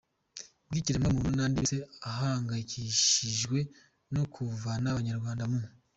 bw’ikiremwamuntu n’andi yose ahangayikishijwe no kuvana abanyarwanda mu